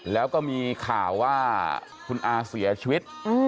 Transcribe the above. แล้วก็มีข่าวว่าคุณอาเสียชีวิต